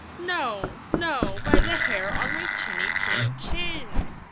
"No, No, by the Hair on my Chinny Chin Chin